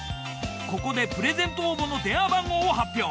ここでプレゼント応募の電話番号を発表。